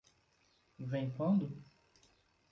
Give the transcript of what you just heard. Vem quando?